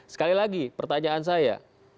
sekali lagi pertanyaan saya